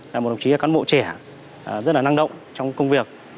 là một đồng chí cán bộ trẻ rất là năng động trong công việc